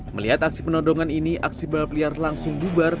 melihat aksi penodongan ini aksi balap liar langsung bubar